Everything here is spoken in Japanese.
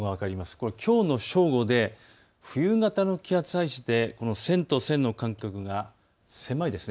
これはきょうの正午で冬型の気圧配置で線と線の間隔が狭いですね。